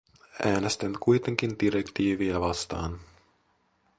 Äänestän kuitenkin direktiiviä vastaan.